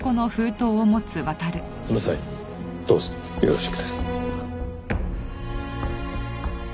その際どうぞよろしくです。